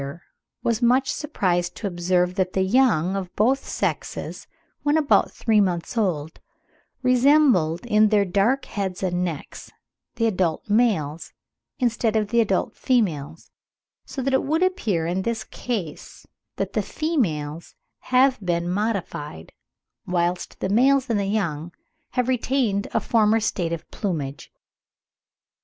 150) was much surprised to observe that the young of both sexes, when about three months old, resembled in their dark heads and necks the adult males, instead of the adult females; so that it would appear in this case that the females have been modified, whilst the males and the young have retained a former state of plumage.)